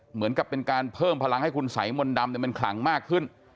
เหมือนกับเป็นการเพิ่มพลังให้คุณสายมนต์ดำมันขลังมากขึ้น